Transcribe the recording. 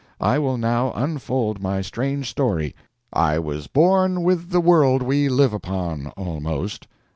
I will now unfold my strange story. I was born with the world we live upon, almost.